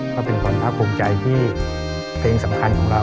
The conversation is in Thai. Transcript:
ก็เป็นความภาคภูมิใจที่เพลงสำคัญของเรา